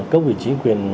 các vị chính quyền